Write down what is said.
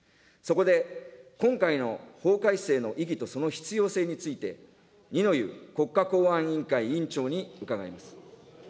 そこで、今回の法改正の意義とその必要性について、二之湯国家公安委員会委員長に伺います。